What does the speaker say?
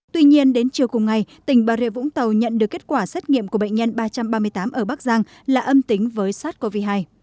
tuy nhiên đến chiều cùng ngày tỉnh bà rịa vũng tàu nhận được kết quả xét nghiệm của bệnh nhân ba trăm ba mươi tám ở bắc giang là âm tính với sars cov hai